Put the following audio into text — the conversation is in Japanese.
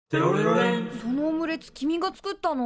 そのオムレツ君が作ったの？